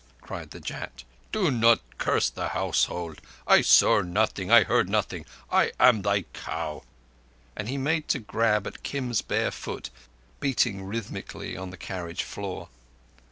cried the Jat. "Do not curse the household. I saw nothing! I heard nothing! I am thy cow!" and he made to grab at Kim's bare foot beating rhythmically on the carriage floor.